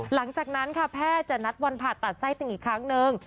หลังจากนั้นค่ะแพทย์จะนัดวันผ่าตัดไส้ติ่งอีกครั้งหนึ่ง